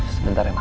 sebentar ya ma